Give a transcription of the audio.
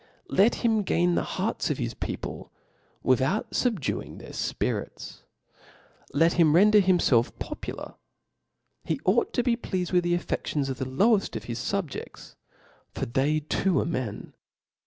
Let him gain tbe hearts of his people, without fubduing their )fpirit€. JLej him rprjder h.imfelf popgkr \ he ought to be pleafcd with the. a,fFedions of the lowcft of his fubjeds,^ for they fooarp n>en.